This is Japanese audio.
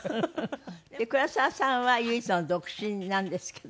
黒沢さんは唯一の独身なんですけど。